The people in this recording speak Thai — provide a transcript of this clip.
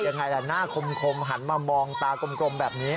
ยังไงล่ะหน้าคมหันมามองตากลมแบบนี้